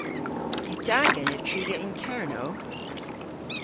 Yw da genev triga yn Kernow?